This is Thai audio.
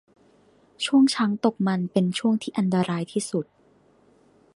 ช่วงช้างตกมันเป็นช่วงที่อันตรายที่สุด